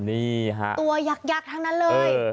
ตัวยักยักษ์ทั้งนั้นเลย